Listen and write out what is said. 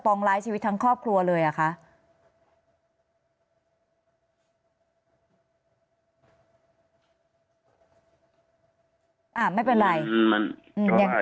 คุณประทีบขอแสดงความเสียใจด้วยนะคะ